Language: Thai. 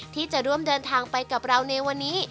ที่จะร่วมเดินทางไปกับเราในวันนี้